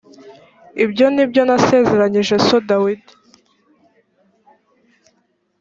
ibyo nibyo nasezeranyije so dawidi